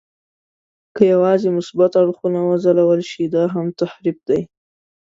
که یوازې مثبت اړخونه وځلول شي، دا هم تحریف دی.